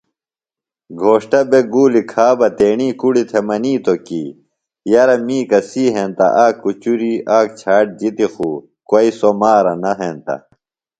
گھوݜٹہ بےۡ گولیۡ کھا بہ تی تیݨی کُڑی تھےۡ منِیتوۡ کی یرہ می کسی ہینتہ آک کُچُری آک جھاٹ جِتیۡ خوۡ کوئیۡ سوۡ مارہ نہ ہینتہ